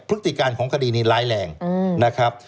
พฤติการของคดีนี้ร้ายแรงนะครับ